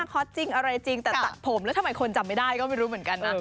คอตจริงอะไรจริงแต่ตัดผมแล้วทำไมคนจำไม่ได้ก็ไม่รู้เหมือนกันนะ